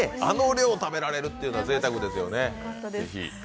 あの量、食べられるというのはぜいたくですよね。